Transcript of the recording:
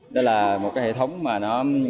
đó là một cái hệ thống mà nó